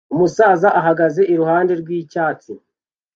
Umusaza uhagaze iruhande rwicyatsi